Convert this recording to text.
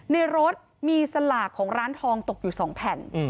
ในรถมีสลากของร้านทองตกอยู่๒แผ่น